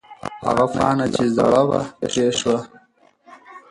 هغه پاڼه چې زړه وه، پرې شوه.